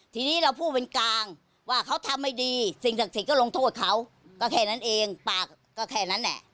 ทีนี้เราพูดเป็นกลางว่าเขาทำไม่ดีสิ่งศักดิ์สิทธิ์ก็ลงโทษเขาก็แค่นั้นเองปากก็แค่นั้นแหละ